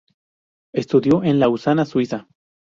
Estudió en Lausana, Suiza.